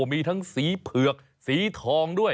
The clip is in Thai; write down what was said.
มีทั้งสีเผือกสีทองด้วย